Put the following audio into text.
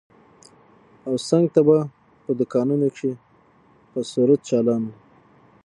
او څنگ ته په دوکانونو کښې به سروذ چالان و.